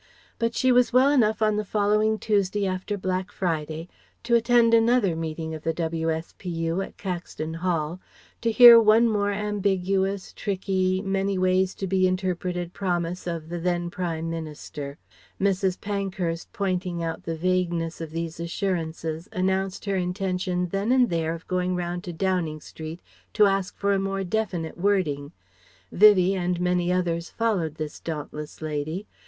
But she was well enough on the following Tuesday after Black Friday to attend another meeting of the W.S.P.U. at Caxton Hall, to hear one more ambiguous, tricky, many ways to be interpreted promise of the then Prime Minister. Mrs. Pankhurst pointing out the vagueness of these assurances announced her intention then and there of going round to Downing Street to ask for a more definite wording. Vivie and many others followed this dauntless lady.